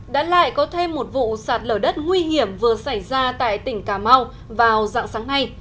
đã lại có thêm một vụ sạt lở đất nguy hiểm vừa xảy ra tại tỉnh cà mau vào dạng sáng nay